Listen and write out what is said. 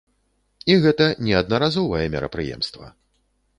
І гэта не аднаразовае мерапрыемства.